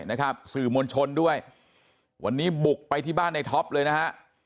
นะครับสื่อมวลชนด้วยวันนี้บุกไปที่บ้านในท็อปเลยนะฮะ